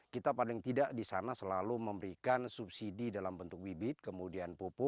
kita paling tidak di sana selalu memberikan subsidi dalam bentuk bibit kemudian pupuk